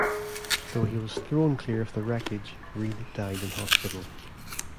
Though he was thrown clear of the wreckage, Reid died in hospital.